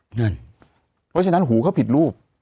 เพราะฉะนั้นหูเขาผิดรูป